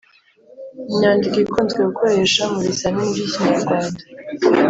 Imyandiko ikunzwe gukoreshwa mubizami by’ikinyarwanda